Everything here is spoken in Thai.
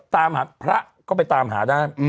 ตามหาพระก็ไปตามหาได้